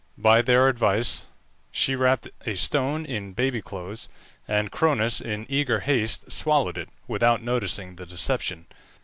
By their advice she wrapped a stone in baby clothes, and Cronus, in eager haste, swallowed it, without noticing the deception.